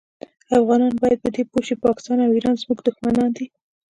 افغانان باید په دي پوه شي پاکستان او ایران زمونږ دوښمنان دي